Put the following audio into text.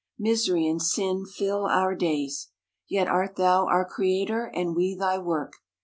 Misery and sin fill our days. Yet art thou our Creator, and we thy work.